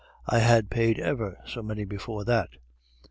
I had paid ever so many before that.